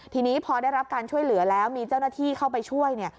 ทีนี้พอได้รับการช่วยเหลือแล้วมีเจ้าหน้าที่เข้าไปช่วยเนี่ย